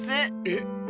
えっ。